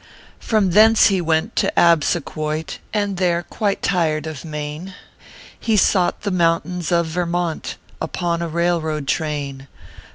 From thence he went to Absequoit, And there quite tired of Maine He sought the mountains of Vermont, Upon a railroad train.